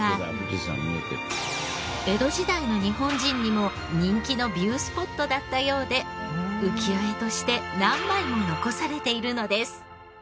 江戸時代の日本人にも人気のビュースポットだったようで浮世絵として何枚も残されているのです。